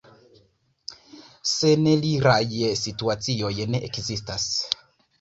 Seneliraj situacioj ne ekzistas.